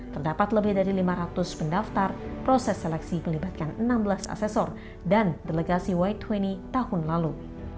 terdapat lebih dari lima ratus pendaftar proses seleksi melibatkan enam belas asesor dan delegasi y dua puluh tahun lalu